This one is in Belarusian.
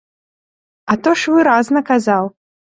А то ж выразна казаў!